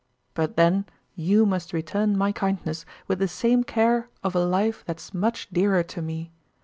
But then you must return my kindness with the same care of a life that's much dearer to me.